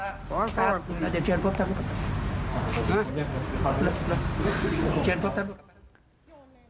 เดี๋ยวเชียร์พบแทนพูดกัน